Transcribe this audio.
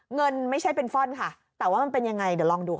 เงินไม่ใช่เป็นฟ่อนค่ะแต่ว่ามันเป็นยังไงเดี๋ยวลองดู